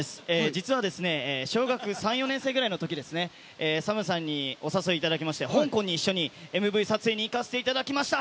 実は小学３４年生くらいのときＳＡＭさんにお誘いいただきまして香港に一緒にＭＶ撮影に行かせていただきました。